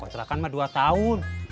kau trakan mah dua tahun